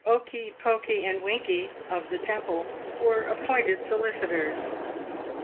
Okey, Pokey, and Winkey, of the Temple, were appointed solicitors.